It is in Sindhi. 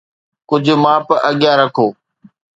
ڪجهه ماپ اڳيان رکو